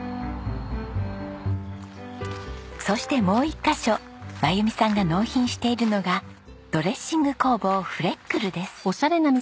そしてもう１カ所真由美さんが納品しているのがドレッシング工房ｆｒｅｃｋｌｅです。